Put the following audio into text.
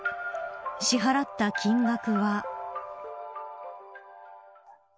支払った金額は。